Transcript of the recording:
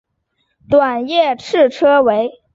短叶赤车为荨麻科赤车属下的一个种。